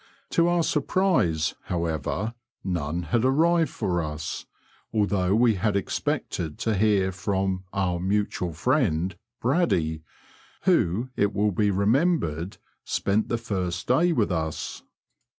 To our surprise, however, none had arrived for us, although we had expected io hear from our mutual friend *' Braddy, who, it will be remembered, spent the first day with us.